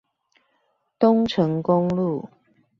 東成公路